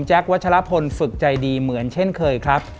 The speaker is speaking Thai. วัชลพลฝึกใจดีเหมือนเช่นเคยครับ